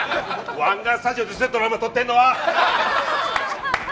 湾岸スタジオだ、撮ってるのは。